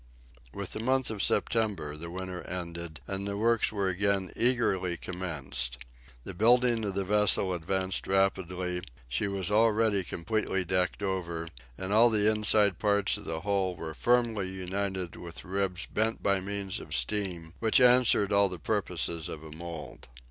With the month of September the winter ended, and the works were again eagerly commenced. The building of the vessel advanced rapidly, she was already completely decked over, and all the inside parts of the hull were firmly united with ribs bent by means of steam, which answered all the purposes of a mold.